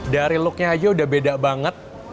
dari looknya aja udah beda banget